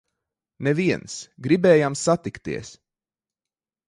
Neviens! Gribējām satikties!